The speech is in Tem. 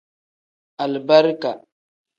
Alibarika.